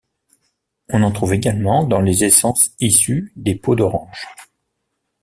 On en trouve également dans les essences issues des peaux d'oranges.